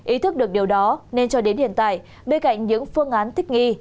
ý thức được điều đó nên cho đến hiện tại bên cạnh những phương án thích nghi